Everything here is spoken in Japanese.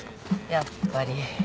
やっぱり。